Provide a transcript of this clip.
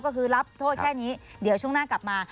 ก็คือรับโทษแค่นี้เดี๋ยวช่วงหน้ากลับมา